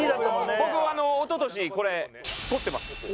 僕おととしこれ取ってます。